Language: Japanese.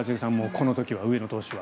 この時は上野投手は。